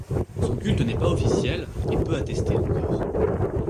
Son culte n'est pas officiel et peu attesté encore.